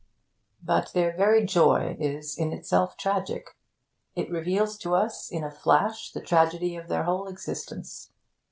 But their very joy is in itself tragic. It reveals to us, in a flash, the tragedy of their whole existence.